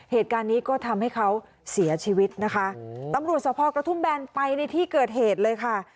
เหตุการณ์นี้ก็ทำให้เขาเสียชีวิตนะคะตำรวจสภกระทุ่มแบนไปในที่เกิดเหตุเลยค่ะ